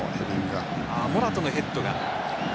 モラタのヘッドが。